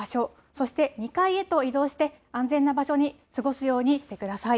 そして２階へと移動して安全な場所で過ごすようにしてください。